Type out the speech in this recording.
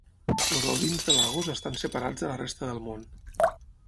Els albins de Lagos estan separats de la resta del món.